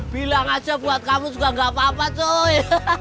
bilang aja buat kamu juga nggak apa apa suy